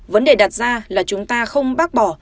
vấn đề đặt ra là chúng ta không bác bỏ